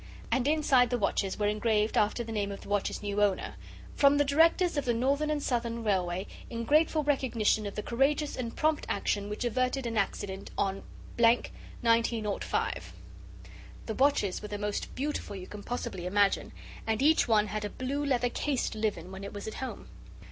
And inside the watches were engraved after the name of the watch's new owner: "From the Directors of the Northern and Southern Railway in grateful recognition of the courageous and prompt action which averted an accident on 1905." The watches were the most beautiful you can possibly imagine, and each one had a blue leather case to live in when it was at home.